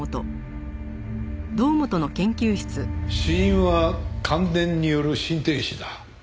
死因は感電による心停止だ。